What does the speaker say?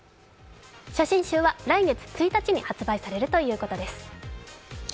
写真集は来月１日に発売されるということです。